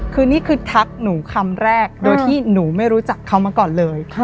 คือนี่คือทักหนูคำแรกโดยที่หนูไม่รู้จักเขามาก่อนเลย